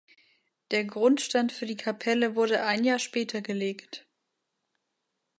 Der Grundstein für die Kapelle wurde ein Jahr später gelegt.